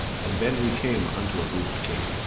And then we came unto a roofed cave.